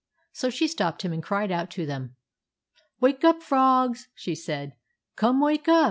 So she stopped him and cried out to them. " Wake up, frogs !" she said. " Come, wake up